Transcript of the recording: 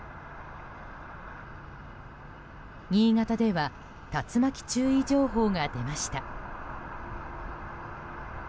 新潟では竜巻注意情報が出ました。